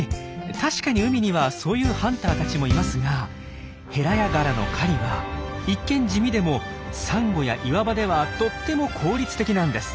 確かに海にはそういうハンターたちもいますがヘラヤガラの狩りは一見地味でもサンゴや岩場ではとっても効率的なんです。